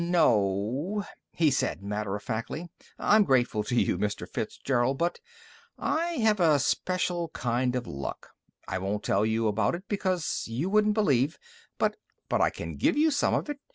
"No o o," he said matter of factly. "I'm grateful to you, Mr. Fitzgerald, but I have a special kind of luck. I won't tell you about it because you wouldn't believe but but I can give you some of it.